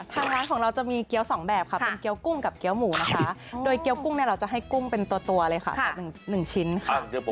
ทางร้านของเราจะมีเกี้ยว๒แบบค่ะเป็นเกี้ยวกุ้งกับเกี้ยวหมูนะคะโดยเกี้ยวกุ้งเนี่ยเราจะให้กุ้งเป็นตัวเลยค่ะจาก๑ชิ้นค่ะ